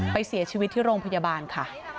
เสียชีวิตที่โรงพยาบาลค่ะ